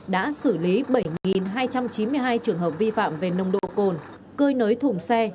đã xử lý bảy hai trăm chín mươi hai trường hợp vi phạm về nồng độ cồn cơi nới thùng xe